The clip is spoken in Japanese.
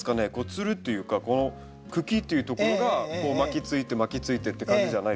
つるというかこの茎っていうところがこう巻きついて巻きついてって感じじゃないですか？